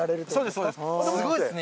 すごいっすね